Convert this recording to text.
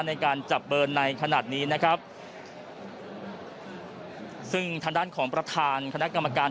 ในการจับเบอร์ในขณะนี้นะครับซึ่งทางด้านของประธานคณะกรรมการ